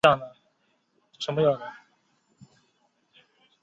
二分短蜂介为半花介科短蜂介属下的一个种。